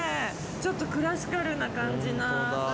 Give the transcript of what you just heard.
ちょっとクラシカルな感じな。